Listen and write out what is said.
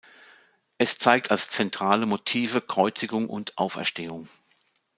Es zeigt als zentrale Motive Kreuzigung und Auferstehung.